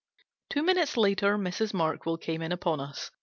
Two minutes later Mrs. Markwell came in upon us.